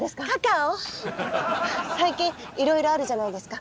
最近いろいろあるじゃないですか。